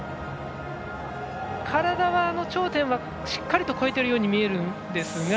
体は頂点はしっかりと越えているように見えるんですが。